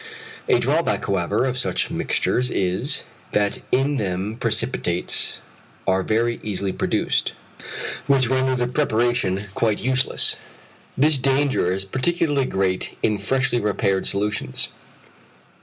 A drawback however of such mixtures is, that in them precipitates are very easily produced, which render the preparation quite useless. This danger is particularly great in freshly prepared solutions.